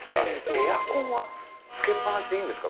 エアコンはつけっぱなしでいいんですか？